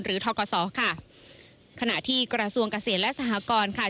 ทกศค่ะขณะที่กระทรวงเกษตรและสหกรณ์ค่ะ